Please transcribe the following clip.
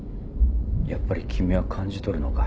やっぱり君は感じ取るのか。